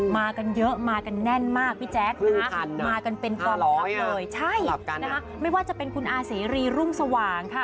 มากันเยอะมากันแน่นมากพี่แจ๊คนะมากันเป็นกองทัพเลยใช่นะคะไม่ว่าจะเป็นคุณอาเสรีรุ่งสว่างค่ะ